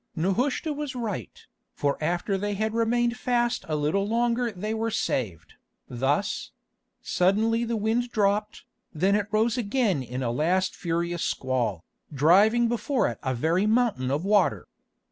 Nehushta was right, for after they had remained fast a little longer they were saved, thus: Suddenly the wind dropped, then it rose again in a last furious squall, driving before it a very mountain of water.